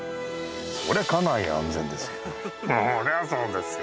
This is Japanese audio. そりゃ家内安全ですよ